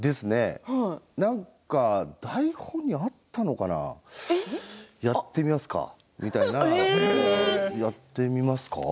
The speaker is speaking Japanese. なんか、台本にあったのかなやってみますか、みたいなやってみますか？